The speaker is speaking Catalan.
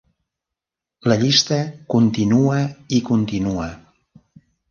La llista continua i continua.